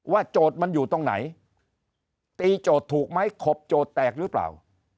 โจทย์มันอยู่ตรงไหนตีโจทย์ถูกไหมขบโจทย์แตกหรือเปล่า